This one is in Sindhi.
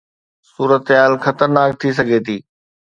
صورتحال خطرناڪ ٿي سگهي ٿي